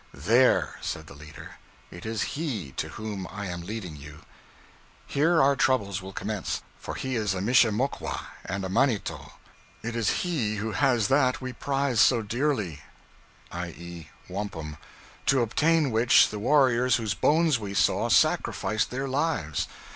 'There,' said the leader, 'it is he to whom I am leading you; here our troubles will commence, for he is a mishemokwa and a manito. It is he who has that we prize so dearly (i.e. wampum), to obtain which, the warriors whose bones we saw, sacrificed their lives.